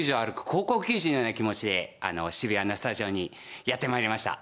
高校球児のような気持ちで渋谷のスタジオにやって参りました。